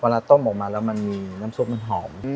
เพราะละต้มออกมาแล้วมันน้ำซุปมันหอม